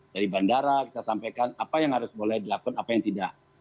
dari bandara kita sampaikan apa yang harus boleh dilakukan apa yang tidak